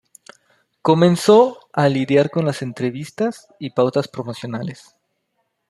Comenzó a lidiar con las entrevistas y pautas promocionales.